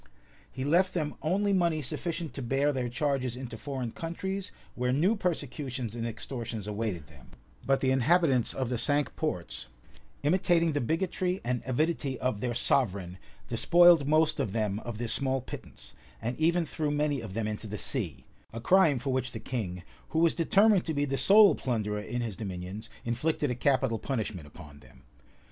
[] He left them only money sufficient to bear their charges into foreign countries, where new persecutions and extortions awaited them: but the inhabitants of the cinque ports, imitating the bigotry and avidity of their sovereign, despoiled most of them of this small pittance, and even threw many of them into the sea; a crime for which the king, who was determined to be the sole plunderer in his dominions, inflicted a capital punishment upon them.